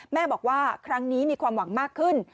แม่บอกว่าครั้งนี้มีความหวังมากขึ้น